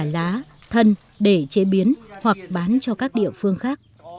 chuối còn tận thu được cả lá thân để chế biến hoặc bán cho các địa phương khác